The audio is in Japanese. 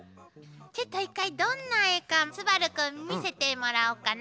ちょっと１回どんな絵か昴くん見せてもらおうかな。